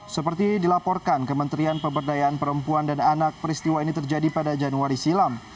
seperti dilaporkan kementerian pemberdayaan perempuan dan anak peristiwa ini terjadi pada januari silam